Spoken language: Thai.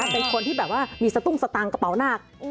เป็นคนที่แบบว่ามีสตุ้งสตางค์กระเป๋าหนัก